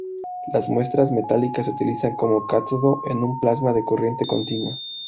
Las muestras metálicas se utilizan como cátodo en un plasma de corriente continua.